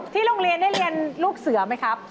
โรงเรียนได้เรียนลูกเสือไหมครับ